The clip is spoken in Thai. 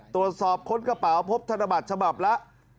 ค้นกระเป๋าพบธนบัตรฉบับละ